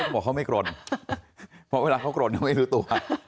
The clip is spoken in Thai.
บอกเขาไม่กรนเพราะเวลาเขากรนเขาไม่รู้ตัว